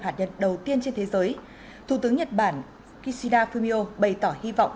hạt nhân đầu tiên trên thế giới thủ tướng nhật bản kishida fumio bày tỏ hy vọng